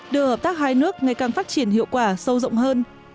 đưa hợp tác hai nước ngày càng phát triển hiệu quả sâu rộng hơn